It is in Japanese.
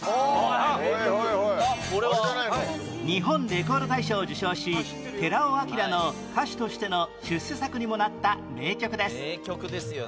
日本レコード大賞を受賞し寺尾聰の歌手としての出世作にもなった名曲です